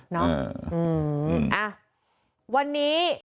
น้องอ่าวันนี้